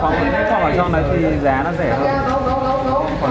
phòng ở trong này thì giá nó rẻ hơn